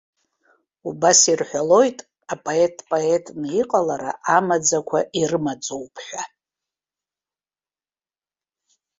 Убас ирҳәалоит, апоет дпоетны иҟалара амаӡақәа ирымаӡоуп ҳәа.